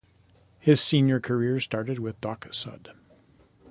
His senior career started with Dock Sud.